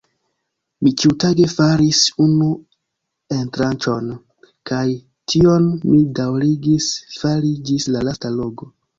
Mi ĉiutage faris unu entranĉon, kaj tion mi daŭrigis fari ĝis la lasta logo.